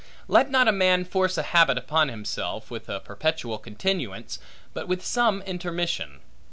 Let not a man force a habit upon himself, with a perpetual continuance, but with some intermission.